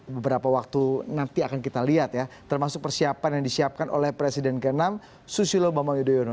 beberapa waktu nanti akan kita lihat ya termasuk persiapan yang disiapkan oleh presiden ke enam susilo bambang yudhoyono